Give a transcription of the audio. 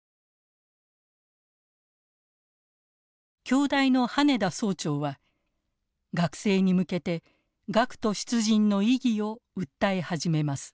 京大の羽田総長は学生に向けて学徒出陣の意義を訴え始めます。